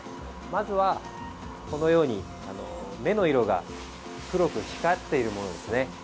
まずは、このように目の色が黒く光っているものですね。